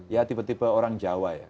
ya tipe tipe orang jawa ya